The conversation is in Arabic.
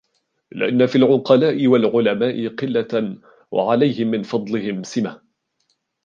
لِأَنَّ فِي الْعُقَلَاءِ وَالْعُلَمَاءِ قِلَّةً وَعَلَيْهِمْ مِنْ فَضْلِهِمْ سِمَةٌ